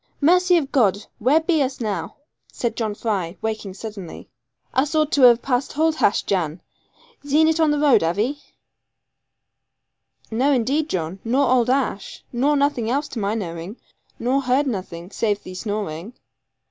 'Mercy of God! where be us now?' said John Fry, waking suddenly; 'us ought to have passed hold hash, Jan. Zeen it on the road, have 'ee?' 'No indeed, John; no old ash. Nor nothing else to my knowing; nor heard nothing, save thee snoring.'